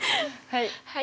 はい！